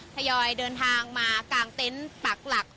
ทยอยเดินทางมากางเต็นต์ปากหลัก